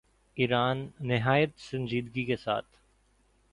ایران نہایت سنجیدگی کے ساتھ